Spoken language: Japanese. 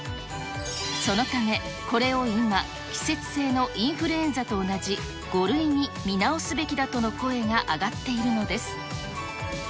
そのため、これを今、季節性のインフルエンザと同じ５類に見直すべきだという声が上がっているのです。